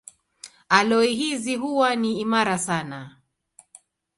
Aloi hizi huwa ni imara sana.